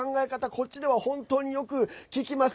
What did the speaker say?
こっちでは本当によく聞きます。